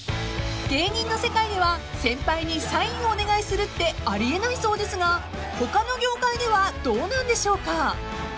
［芸人の世界では先輩にサインをお願いするってあり得ないそうですが他の業界ではどうなんでしょうか］